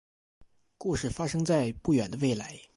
故事发生在不远的未来。